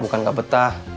bukan gak betah